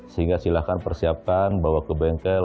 sehingga silahkan persiapkan bawa ke bengkel